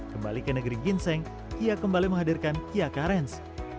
kembali ke negeri ginseng kia kembali menghadirkan kia carens